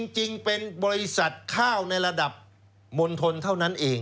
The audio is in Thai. จริงเป็นบริษัทข้าวในระดับมณฑลเท่านั้นเอง